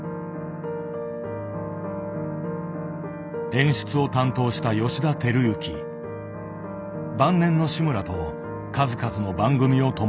演出を担当した晩年の志村と数々の番組を共にした。